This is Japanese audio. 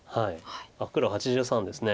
黒８３ですね。